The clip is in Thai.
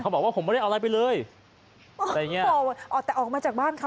บอกว่าผมไม่ได้เอาอะไรไปเลยอะไรอย่างเงี้ยอ๋อแต่ออกมาจากบ้านเขา